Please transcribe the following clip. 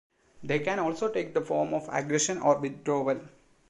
They can also take the form of aggression or withdrawal.